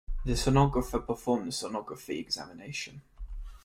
The Sonographer performed the Sonography examination.